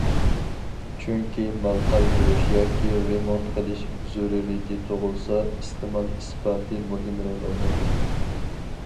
چۈنكى مال قايتۇرۇش ياكى رېمونت قىلىش زۆرۈرىيىتى تۇغۇلسا، ئىستېمال ئىسپاتى مۇھىم رول ئوينايدۇ.